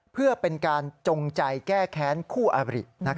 เพื่อเป็นการจงใจแก้แค้นคู่อบริ